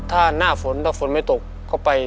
ถ้าหน้าฝนถ้าฝนไม่ตกก็ไป